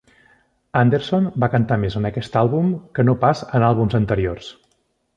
Anderson va cantar més en aquest àlbum que no pas en àlbums anteriors.